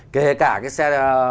kể cả cái xe